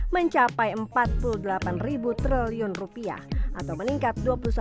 mencapai empat puluh delapan triliun rupiah atau meningkat dua puluh satu delapan